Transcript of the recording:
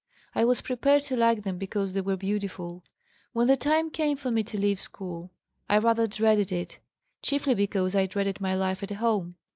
I was prepared to like them because they were beautiful. When the time came for me to leave school I rather dreaded it, chiefly because I dreaded my life at home.